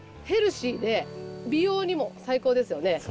ヘルシーで美容にも最高ですよね。